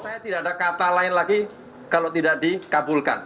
saya tidak ada kata lain lagi kalau tidak dikabulkan